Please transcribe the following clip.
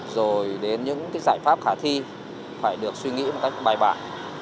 rồi đến những giải pháp khả thi phải được suy nghĩ một cách bài bản